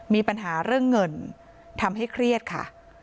มีปัญหาเรื่องเงินทำให้เครียดค่ะ